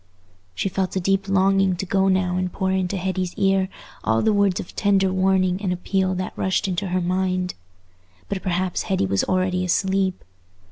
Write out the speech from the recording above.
She felt a deep longing to go now and pour into Hetty's ear all the words of tender warning and appeal that rushed into her mind. But perhaps Hetty was already asleep.